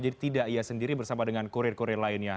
jadi tidak ia sendiri bersama dengan kurir kurir lainnya